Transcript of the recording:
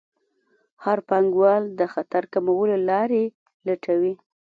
هر پانګوال د خطر کمولو لارې لټوي.